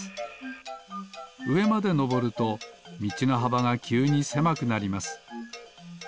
うえまでのぼるとみちのはばがきゅうにせまくなります。